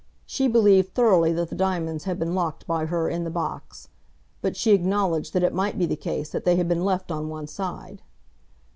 She believed thoroughly that the diamonds had been locked by her in the box, but she acknowledged that it might be the case that they had been left on one side.